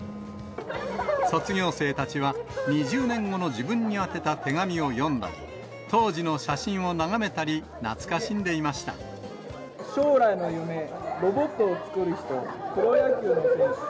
卒業生たちは、２０年後の自分に宛てた手紙を読んだり、当時の写真を眺めたり、将来の夢、ロボットを作る人、プロ野球の選手。